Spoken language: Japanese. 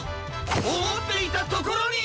おもっていたところに！